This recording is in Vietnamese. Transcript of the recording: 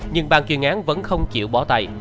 nhưng bàn quyền án vẫn không chịu bỏ tay